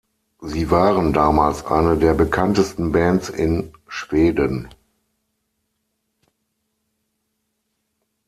Sie waren damals eine der bekanntesten Bands in Schweden.